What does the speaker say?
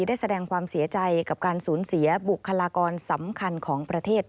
ได้แสดงความเสียใจกับการสูญเสียบุคลากรสำคัญของประเทศ